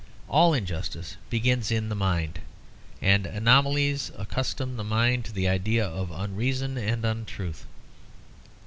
All injustice begins in the mind. And anomalies accustom the mind to the idea of unreason and untruth.